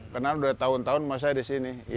kenal udah tahun tahun masanya di sini